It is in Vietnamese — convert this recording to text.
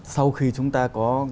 sau khi chúng ta có